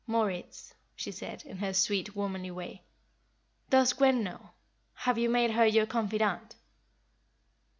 "Moritz," she said, in her sweet, womanly way, "does Gwen know. Have you made her your confidante?"